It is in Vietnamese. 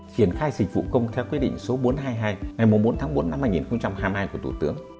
triển khai dịch vụ công theo quyết định số bốn trăm hai mươi hai ngày bốn tháng bốn năm hai nghìn hai mươi hai của thủ tướng